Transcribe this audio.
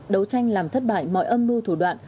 đấu tranh làm thất bại mọi âm mưu thủ đoạn